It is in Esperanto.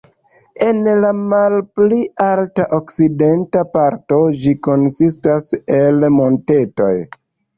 En la malpli alta okcidenta parto ĝi konsistas el montetoj.